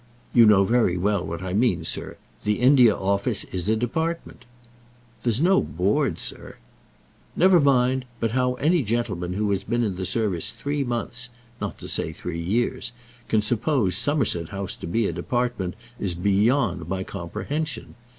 "You know very well what I mean, sir. The India Office is a department." "There's no Board, sir." "Never mind; but how any gentleman who has been in the service three months, not to say three years, can suppose Somerset House to be a department, is beyond my comprehension.